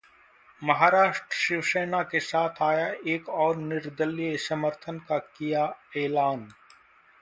महाराष्ट्र: शिवसेना के साथ आया एक और निर्दलीय, समर्थन का किया ऐलान